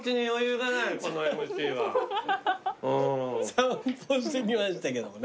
散歩してきましたけどもね。